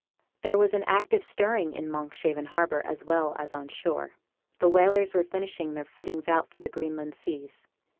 There was active stirring in Monkshaven harbour as well as on shore. The whalers were finishing their fittings out for the Greenland seas.